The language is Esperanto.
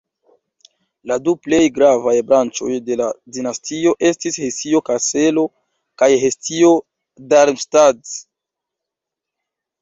La du plej gravaj branĉoj de la dinastio estis Hesio-Kaselo kaj Hesio-Darmstadt.